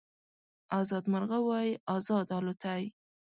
ازاد مرغه وای ازاد الوتای